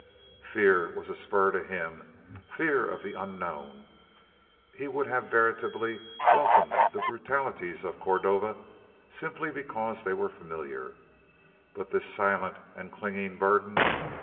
Fear was a spur to him, fear of the unknown. He would have veritably welcomed the brutalities of Cordova simply because they were familiar but this silent and clinging burden?